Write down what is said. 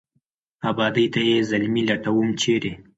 آبادۍ ته یې زلمي لټوم ، چېرې ؟